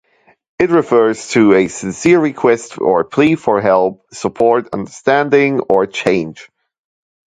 It refers to a sincere request or plea for help, support, understanding, or change.